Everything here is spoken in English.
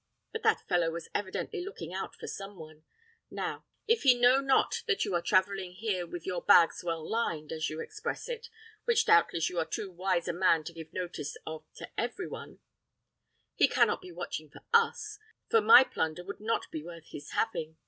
But that fellow was evidently looking out for some one: now, if he know not that you are travelling here with your bags well lined, as you express it, which doubtless you are too wise a man to give notice of to every one, he cannot be watching for us, for my plunder would not be worth his having.